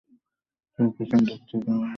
তারা পিছন দিক হতে আমাদের উপর আক্রমণ করতে পারে।